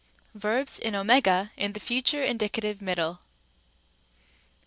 880, Verbs in ὦ, in the future, indicative, middle.